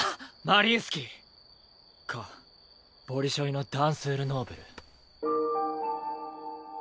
マリインスキー！かボリショイのダンスール・ノーブル。